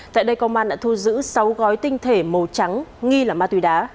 tại đây công an đã thu giữ sáu gói tinh thể màu trắng nghi là ma túy đá